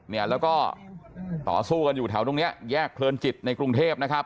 เนี่ยแล้วก็ต่อสู้กันอยู่แถวตรงเนี้ยแยกเพลินจิตในกรุงเทพนะครับ